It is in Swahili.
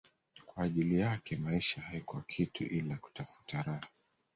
kwa ajili yake maisha haikuwa kitu ila kutafuta raha